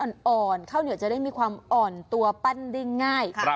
การเคล็ดลับในคราวเหนียวจะได้มีความอ่อนตัวปั้นได้ง่าย